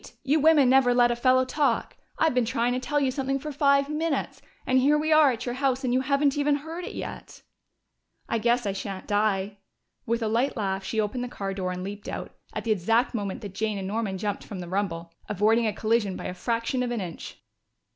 You women never let a fellow talk. I've been trying to tell you something for five minutes, and here we are at your house, and you haven't heard it yet." "I guess I shan't die." With a light laugh she opened the car door and leaped out, at the exact moment that Jane and Norman jumped from the rumble, avoiding a collision by a fraction of an inch.